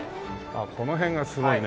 ああこの辺がすごいね。